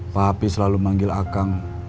papi selalu manggil akang